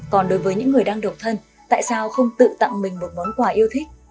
còn đối với những người đang độc thân tại sao không tự tặng mình một món quà yêu thích